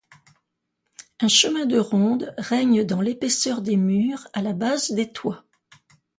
Un chemin de ronde règne dans l'épaisseur des murs, à la base des toits.